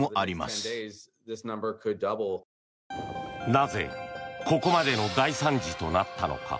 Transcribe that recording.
なぜ、ここまでの大惨事となったのか。